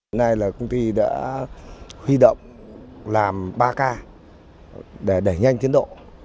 hôm nay là công ty đã huy động làm ba k để đẩy nhanh tiến độ